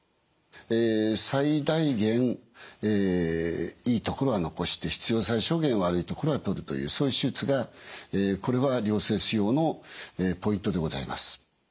最大限いい所は残して必要最小限悪い所は取るというそういう手術がこれは良性腫瘍のポイントでございます。